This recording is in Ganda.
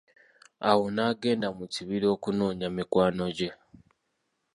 Awo naagenda mu kibira okunoonya mikwano gye.